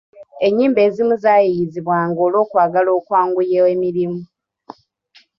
Ennyimba ezimu zaayiyizibwanga olw’okwagala okwanguya emirimu.